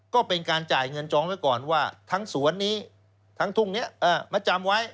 ก็เป็นการจ่ายเงินจองไว้ก่อนว่าทั้งสวนนี้ทั้งทุ่งนี้มาจำไว้